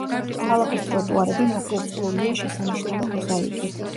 ქალაქის ტროტუარები მოკირწყლულია შესანიშნავი მოზაიკით.